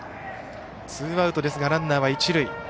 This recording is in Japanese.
ツーアウトですがランナーは一塁。